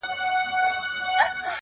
د گندارا د شاپېريو د سُرخيو په باب_